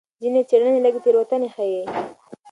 ځینې څېړنې لږې تېروتنې ښيي.